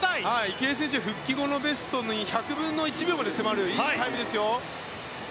池江選手復帰後のベストに１００分の１秒まで迫るいいタイムですよ。